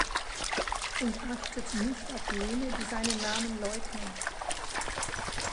Und achtet nicht auf jene, die seine Namen leugnen!